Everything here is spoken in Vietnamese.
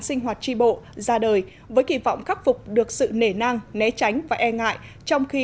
sinh hoạt tri bộ ra đời với kỳ vọng khắc phục được sự nể nang né tránh và e ngại trong khi